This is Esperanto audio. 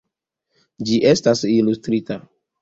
Ĝi estas ilustrita.